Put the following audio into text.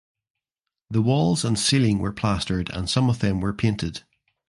The walls and ceiling were plastered and some of them were painted.